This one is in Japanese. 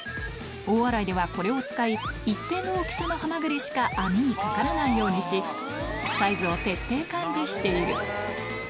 大洗ではこれを使い、一定の大きさのハマグリしか網にかからないようにし、サイズを徹底管理している。